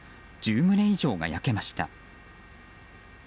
１０棟以上が焼けました。